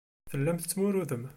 Tellam tettmurudem.